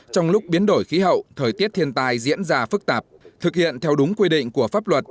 trong lúc biến đổi khí hậu thời tiết thiên tài diễn ra phức tạp thực hiện theo đúng quy định của pháp luật